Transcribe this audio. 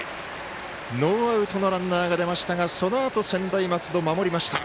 ノーアウトのランナーが出ましたがそのあと、専大松戸、守りました。